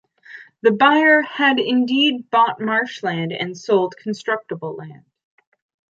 The buyer had indeed bought marsh land and sold constructible land.